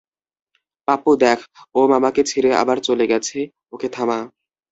পাপ্পু দেখ, ওম আমাকে ছেড়ে আবার চলে গেছে, ওকে থামা।